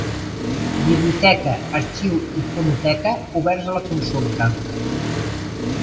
Biblioteca, arxiu i fonoteca oberts a la consulta.